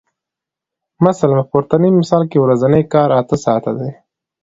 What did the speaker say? مثلاً په پورتني مثال کې ورځنی کار اته ساعته دی